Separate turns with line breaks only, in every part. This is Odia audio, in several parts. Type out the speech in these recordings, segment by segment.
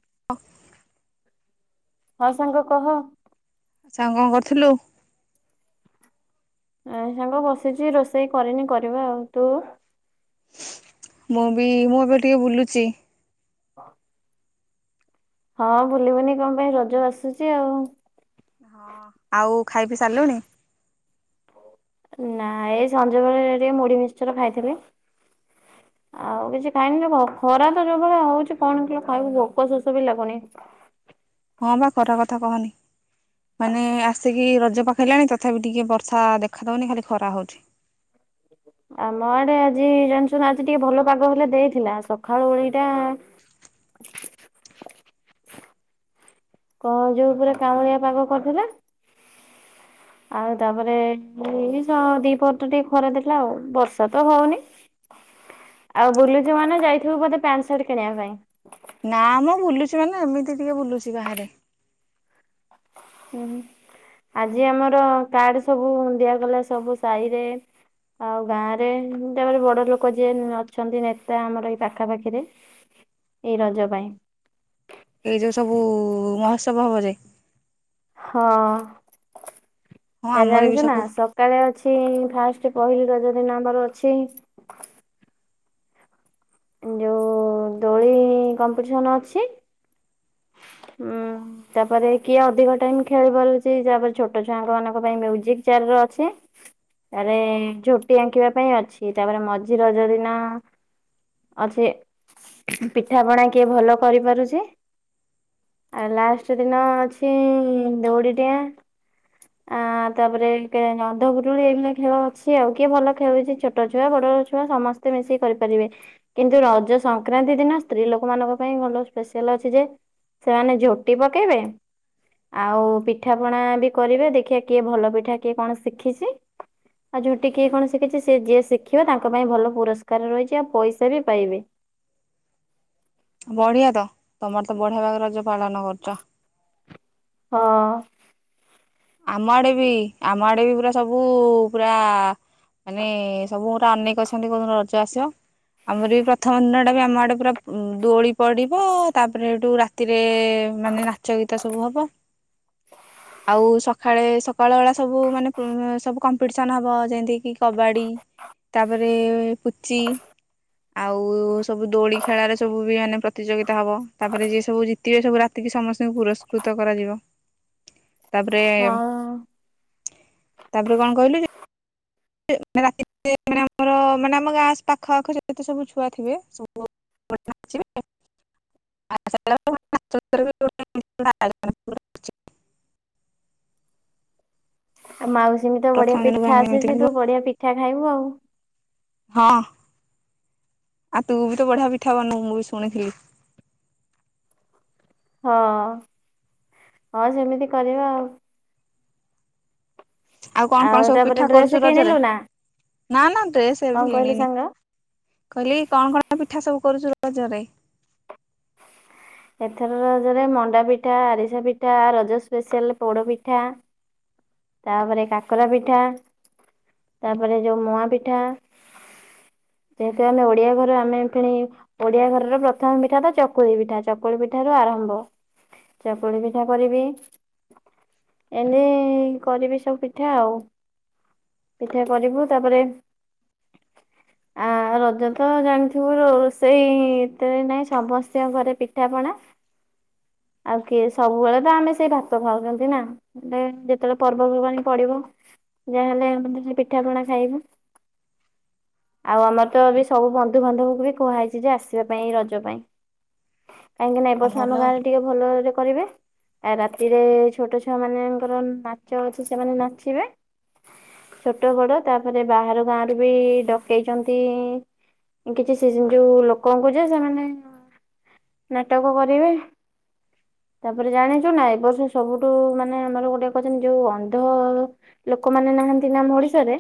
[unintelligible]
ହଁ ସାଙ୍ଗ କହ।
ସାଙ୍ଗ କଣ କରୁଥିଲୁ?
ନାଇଁ ସାଙ୍ଗ ବସିଛି ରୋଷେଇ କରିନି କରିବା ଆଉ ତୁ?
ମୁଁ ବି ମୁଁ ଏବେ ଟିକେ ବୁଲୁଛି।
ହଁ ବୁଲିବନି କଣ ପାଇଁ ରଜ ଆସୁଛି ଆଉ।
ହଁ ଆଉ ଖାଇ ପିଇ ସାରିଲୁଣି?
ନାଇଁ ଏ ସଞ୍ଜ ବେଳେ ଟିକେ ମୁଢ଼ି ମିକଚର୍ ଖାଇ ଥିଲି।
[inaudible]
ଆଉ କିଛି ଖାଇନି ଯେ ଭୋକ ଖରା ତ ଯୋ ପ୍ରବଳ ହେଉଛି କଣ ହେଲେ ଖାଇବୁ ଭୋକ ଶୋଷ ବି ଲାଗୁନି।
ହଁ ବା ଖରା କଥା କହନି। ମାନେ ଆସିକି ରଜ ପାଖେଇଲାଣି ତଥାପି ଟିକେ ବର୍ଷା ଦେଖା ଦେଉନି ଖାଲି ଖରା ହେଉଛି।
ଆମ ଆଡ଼େ ଆଜି ଜାଣିଛୁ ନା ଆଜି ଟିକେ ଭଲ ପାଗ ହେଲେ ଦେଇଥିଲା ସକାଳୁ ଓଳିଟା କ ଅଯୋଉ ପୁରା କାଉଳିଆ ପାଗ କରିଥିଲା। ଆଉ ତା ପରେ [unintelligible] ଦିପହର ଟା ଟିକେ ଖରା ଦେଲା ବର୍ଷା ତ ହେଉନି।
[unintelligible]
ଆଉ ବୁଲି ଯିବ ନା ମାନେ ଯାଇଥିବୁ ବୋଧେ ପ୍ୟାଣ୍ଟ, ସାର୍ଟ କିଣିବା ପାଇଁ।
ନା ମ ବୁଲୁଛି ମାନେ ଏମିତି ଟିକେ ବୁଲୁଛି ବାହାରେ।
ହୁଁ ଆଜି ଆମର କାର୍ଡ ସବୁ ଦିଆଗଲା ସବୁ ସାଇ ରେ। ଆଉ ଗାଁରେ ତା ପରେ ବଡ଼ ଲୋକ ଯିଏ ଅଛନ୍ତି ନେତା ଆମର ଏଇ ପାଖାପାଖି ରେ।
[unintelligible]
ଏଇ ରଜ ପାଇଁ।
ଏଇ ଯୋଉ ସବୁ ମୋହତ୍ସବ ହବ ଯେ।
ହଁ
ହଁ
ଏ
ଆମର ବି
ଜାଣିଛୁ ନା
ସବୁ
ସକାଳେ ଅଛି ଫାର୍ଷ୍ଟ ପହିଲି ରଜ ଦିନ ଆମର ଅଛି। ଯୋଉ ଦୋଳି କମ୍ପିଷ୍ଟେସନ ଅଛି ହୁଁ। ତା ପରେ କିଏ ଅଧିକ ଟାଇମ ଖେଳି ପାରୁଛି ତା ପରେ ଛୋଟ ଛୁଆଙ୍କ ମାନଙ୍କ ପାଇଁ ମ୍ୟୁଜିକ୍ ଚେୟାର ର ଅଛି।। ତା ପରେ ଝୋଟି ଆଙ୍କିବା ପାଇଁ ଅଛି ତା ପରେ ମଝି ରଜ ଦିନ ଅଛି ପିଠା ପଣା କିଏ ଭଲ କରି ପାରୁଛି। ଲାଷ୍ଟଦିନ ଅଛି ଦୌଡ଼ିଡିଆଁ।
[unintelligible]
ହାଁ ତା ପରେ ଅନ୍ଧପୁଟୁଳି ଏଇନେ ଖେଳ ଅଛି ଆଉ କିଏ ଭଲ ଖେଳୁଛି ଛୋଟ ଛୁଆ ବଡ ଛୁଆ ସମସ୍ତେ। ସେ ମିଶି କି କରି ପାରିବେ। କିନ୍ତୁ ରଜ ସଂକ୍ରାନ୍ତି ଦିନ ସ୍ତ୍ରୀ ଲୋକ ମାନଙ୍କ ପାଇଁ ଭଲ ସ୍ପେସିଆଲ ଅଛି ଯେ ସେମାନେ ଝୋଟି ପକେଇବେ। ଆଉ ପିଠା ପଣା ବି କରିବେ ଦେଖିବା କିଏ ଭଲ ପିଠା କିଏ କଣ ଶିଖିଛି। ଆଉ ଝୋଟି କିଏ କଣ ଶିଖିଛି ସେ ଯିଏ ଶିଖିବ ତାଙ୍କ ପାଇଁ ଭଲ ପୁରସ୍କାର ରହିଛି ଆଉ ପଇସା ବି ପାଇବେ।
ବଢିଆ ତ ତମର ତ ବଢିଆ ଭାବରେ ରଜ ପାଳନ କରୁଛ।
ହଁ।
ଆମ ଆଡ଼େ ବି ଆମ ଆଡ଼େ ବି ସବୁ ପୁରା ମାନେ ସବୁ ପୁରା ଅନେଇକି ଅଛନ୍ତି କୋଉ ଦିନ ରଜ ଆସିବ। ଆମରି ପ୍ରଥମ ଦିନଟା ବି ଆମ ଆଡ଼େ ପୁରା ଦୋଳି ପଡିବ ତା ପରେ ହେଠୁ ରାତିରେ ଏ ମାନେ ନାଚ ଗୀତ ସବୁ ହବ ଆଉ ସକାଳେ ସକାଳ ଉଳା ସବୁ ମାନେ କମ୍ପିଟେସନ୍ ହବ ଯେମତି କି କବାଡି ତା ପରେ ପୁଚି। ଆଉ ସବୁ ଦୋଳି ଖେଳାରେ ସବୁ ବିଭିନ୍ନ ପ୍ରତିଯୋଗିତା ହେବ ତା ପରେ ଯିଏ ସବୁ ଜିତିବେ ସବୁ ରାତି ରାତିକୁ ସମସ୍ତଙ୍କୁ ପୁରସ୍କୃତ କରାଯିବ। ତାପରେ
ହଁ
କଣ କହିଲି କି। [unintelligible] ରାତି ମାନେ ଆମର ମାନେ ଆମ ଗାଁ ପାଖ ଆଖ ଯେତେ ସବୁ ଛୁଆ ଥିବେ ସବୁ। [unintelligible]
ଆଉ ମାଉସୀଙ୍କୁ ତ
ପ୍ରଥମ
ବଢିଆ
ଦିନକୁ
ପିଠା
ଆମେ ଏମିତି
ଆସିଛି
କରିବୁ
ତୁ ବଢିଆ ପିଠା ଖାଇବୁ ଆଉ।
ହଁ ଆଉ ତୁ ବି ତ ବଢିଆ ପିଠା ବନଉ ମୁଁ ବି ଶୁଣିଥିଲି।
ହଁ, ହଁ ସେମିତି କରିବା ଆଉ।
ଆଉ କଣ କଣ ସବୁ
ତାପରେ
ପିଠା
ଡ୍ରେସ
କରୁଚୁ ରଜରେ
କିଣିଲୁ ନା
ନା ନା ଡ୍ରେସ
କଣ
ଏବେ
କହିଲୁ
କିଣିନି।
ସାଙ୍ଗ?
କହିଲି କଣ କଣ ପିଠା ସବୁ କରୁଚୁ ରଜରେ?
ଏଥର ରଜରେ ମଣ୍ଡା ପିଠା, ଆରିସା ପିଠା ରଜ ସ୍ପେଶାଲ୍ ପୋଡ଼ପିଠା। ତାପରେ କାକରା ପିଠା ତାପରେ ଯୋଉଁ ମୁଆଁ ପିଠା। ଯେଥି ଆମେ ଓଡିଆ ଘରେ ଆମେ ପେଣି ଓଡିଆ ଘରର ପ୍ରଥମ ପିଠା ତ ଚକୁଳି ପିଠା ଚକୁଳି ପିଠାରୁ ଆରମ୍ଭ। ଚକୁଳି ପିଠା କରିବି ଏମି କରିବି ସବୁ ପିଠା ଆଉ ପିଠା କରିବୁ ତାପରେ
ହ
ଆ ରଜ ତ ଜାଣିଥିବୁ ରୋଷେଇତରେ ନାଇଁ ସମସ୍ତଙ୍କ ଘରେ ପିଠାପଣା। ଆଉ କିଏ ସବୁବେଳେ ତ ଆମେ ସେଇ ଭାତ ଖାଉଚନ୍ତି ନା। ଯେତେବେଳେ ପର୍ବପର୍ବାଣୀ ପଡିବ ଯାହା ହେଲେ ମେ ପିଠା ପଣା ଖାଇବୁ। ଆଉ ଆମର ତ ବି ସବୁ ବନ୍ଧୁ ବାନ୍ଧବକୁ ବି କୁହାହେଇଛି ଯେ ଆସିବା ପାଇଁ ରଜ ପାଇଁ। କାହିଁକି ନାଁ ଏ
ହଁ
ବର୍ଷ
ଭଲ
ଆମ ଗାଁରେ ଟିକେ ଭଲରେ କରିବେ ଆ ରାତିରେ ଛୋଟ ଛୁଆ ମାନେଙ୍କର ନା ଚ ଅଛି ସେମାନେ ନାଚିବେ। ଛୋଟ ବଡ଼ ତାପରେ ବାହାର ଗାଁରୁ ବି ଡକେଇଚନ୍ତି। କିଛି ଯୋଉ ଲୋକଙ୍କୁ ଯେ ସେମାନେ ନାଟକ କରିବେ। ତାପରେ ଜାଣିଛୁ ନା ଏ ବର୍ଷ ସବୁଠୁ ମାନେ ଆମର ଗୋଟେ କଚନି ଯୋଉ ଅନ୍ଧ ଲୋକ ମାନେ ନାହାନ୍ତି ନା ଆମ ଓଡିଶାରେ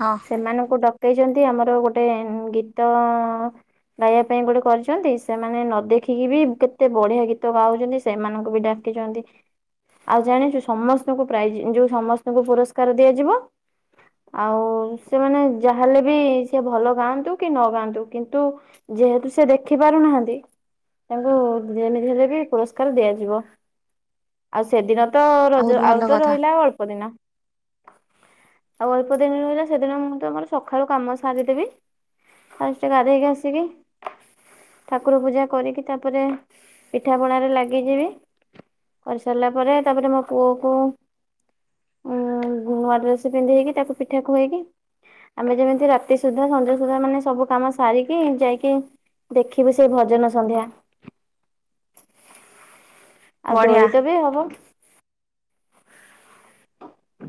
ହଁ
ସେମାନଙ୍କୁ ଡକେଇଚନ୍ତି ଆମର ଗୋଟେ ଗୀତ ଗାଇବା ପାଇଁ ଗୋଟେ କରିଚନ୍ତି ସେମାନେ ନ ଦେଖିକି ବି କେତେ ବଢିଆ ଗୀତ ଗାଉଛନ୍ତି ସେମାନଙ୍କୁ ବି କେଯନ୍ଦି ଆଉ ଜାଣିଚୁ ସମସ୍ତଙ୍କୁ ପ୍ରାଇଜ ଯୋଉ ସମସ୍ତଙ୍କୁ ପୁରସ୍କାର ଦିଆଯିବ। ଆଉ ସେମାନେ ଯାହା ହେଲେ ବି ସେ ଭଲ ଗାଆନ୍ତୁ କି ନ ଗାଆନ୍ତୁ କିନ୍ତୁ ଯେହେତୁ ସେ ଦେଖି ପାରୁନାହାନ୍ତି। ତାଙ୍କୁ ଯେମିତିହେଲେ ବି ପୁରସ୍କାର ଦିଆଯିବ ଆଉ ସେଦିନ ତ
ବହୁତ
ଯଉ
ଭଲ
ଆଉ ତ
କଥା
ରହିଲା ଅଳ୍ପ ଦିନ। ଆଉ ଅଳ୍ପ ଦିନ ରହିଲା ସେଦିନ ମୁଁ ତମର ସକାଳୁ କାମ ସାରିଦେବି‌। ଭଲ ସେ ଗାଧେଇକି ଆସିକି। ଠାକୁର ପୂଜା କରିକି ତାପରେ ପିଠାପଣାରେ ଲାଗିଯିବି। କରିସାରିଲା ପରେ ତାପରେ ମୋ ପୁଅ କ ଉଁ ନୂଆ ଡ୍ରେସ ପିନ୍ଧେଇକି ତାକୁ ପିଠା ଖୁଏଇକି ଆମେ ଯେମିତି ରାତି ସୁଧା ସନ୍ଧ୍ୟା ସୁଧା ମାନେ ସବୁ କାମ ସାରିକି ଯାଇକି ଦେଖିବୁ ସେଇ ଭଜନ ସନ୍ଧ୍ୟା। ଆଉ
ବଢିଆ
ଦୋଳିିଟା ବି ହବ।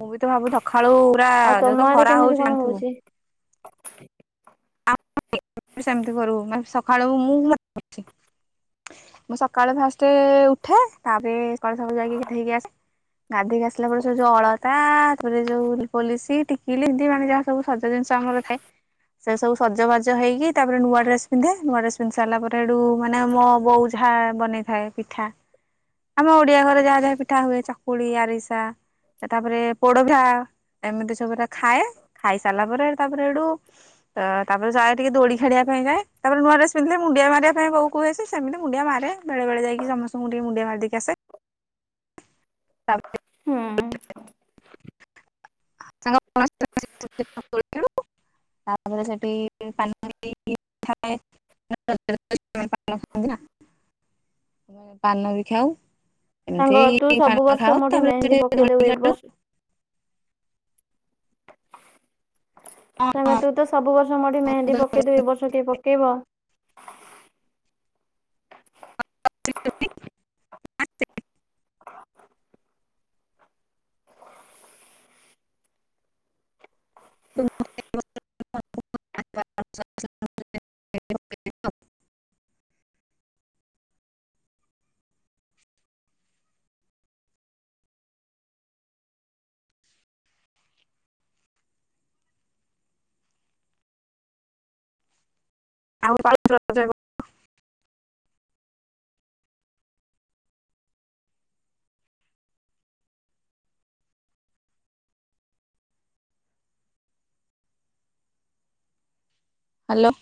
ମୁଁ ବି ତ ଭାବୁ ସକାଳୁ ପୁରା
ଆଉ ତମ
ଯୋଉତ
ଆଡେ
ଖରା
କେମିତି
ହଉଛି
କଣ
ଏଣିଥିବୁ। ସେମିତି କରିବୁ ସକାଳୁ ମୁଁ [unintelligible] ମୁଁ ସକାଳୁ ଫାଷ୍ଟ ଉଠେ ତାପରେ ସକାଳୁ ସବୁ ଯାଇକି ଗାଧୋଇ ଆସେ ଗାଧେଇକି ଆସିଲା ପରେ ସେ ଯୋଉ ଅଳତା ତାପରେ ଯୋଉ ପଲି ଟିକି ଯାହା ସବୁ ସଜ ଜିନିଷ ଆମର ଥାଏ ସେ ସବୁ ସଜବାଜ ହୋଇକି ତାପରେ ନୂଆ ଡ୍ରେସ୍ ପିନ୍ଧେ ନୂଆ ଡ୍ରେସ୍ ପିନ୍ଧି ସାରିଲା ପରେ ଏଠୁ ମାନେ ମୋ ବୋଉ ଯାହା ବନେଇଥାଏ ପିଠା ଆମ ଓଡିଆ ଘରେ ଯାହା ଯାହା ପିଠା ହୁଏ ଚାକୁଳି ଆରିସା ତାପରେ ପୋଡ ଭିଆ ଏମିତି ସବୁୁରା ଖାଏ ଖାଇ ସାରିଲା ପରେ ତାପରେ ଏଠୁ [unintelligible] ତାପରେ ସ ଟିକେ ଦୋଳି ଖେଳିବା ପାଇଁ ଯାଏ ତାପରେ ନୁଆ ଡ୍ରେସ ପିନ୍ଧିଲେ ମୁଡି ମାରିବା ପାଇଁ ବୋଉ କୁହେ ଯେ ସେମତି ମୁଡି ମାରେ। ବେଳେବେଳେ ଯାଇକି ସମସ୍ତଙ୍କୁ ଟିକେ ମୁଡିଆ ମାରିଦେଇକି ଆସେ। [unintelligible]
ହଁ
[unintelligible] [unintelligible] [unintelligible] ପାନ ବି ଖାଉ
ସାଙ୍ଗ ତୁ
ଏମିତି
ସବୁ
ପାନ
ବର୍ଷ
ଖାଉ
ମୋଠି
ତାପରେ
ମେହେନ୍ଦୀ
ଟିକେ
ପକେଇଦଉ
ଦୋଳି
ଏ
ଖେଳୁ।
ବର୍ଷ ତାଙ୍ଗ ତୁ ତ ସବୁ ବର୍ଷ ମୋଠି ମେହେନ୍ଦି ପକେଇ ଦଉ ଏଇ ବର୍ଷ କିଏ ପକେଇବ?
[unintelligible] [unintelligible] [unintelligible] ଆଉ [unintelligible] [inaudible] ହ୍ୟାଲୋ